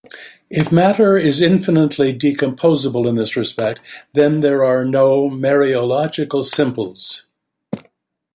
If matter is infinitely decomposable in this respect, then there are no mereological simples.